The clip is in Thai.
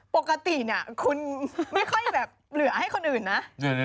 ปกติคุณไม่ค่อยแบบเหลือให้คนอื่นนะ